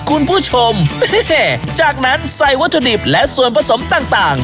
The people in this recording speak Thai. คุณผู้ชมจากนั้นใส่วัตถุดิบและส่วนผสมต่าง